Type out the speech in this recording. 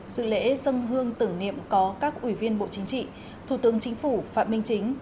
dự lễ dân hương tưởng niệm có các ủy viên bộ chính trị thủ tướng chính phủ phạm minh chính